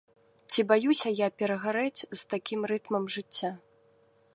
Ці баюся я перагарэць з такім рытмам жыцця?